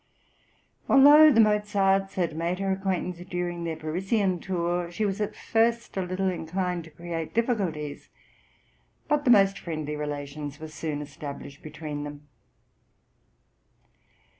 Although the Mozarts had made her acquaintance during their Parisian tour, she was at first a little inclined to create difficulties; but the most friendly relations were soon established between them.